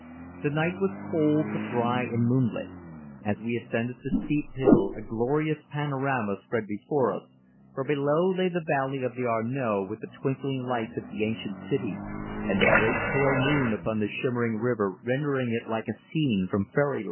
The night was cold but dry and moonlit. As we ascended the steep hill a glorious panorama spread before us, for below lay the valley of the Arno with the twinkling lights of the ancient city, and the great pale moon upon the shimmering river rendering it like a scene from fairyland.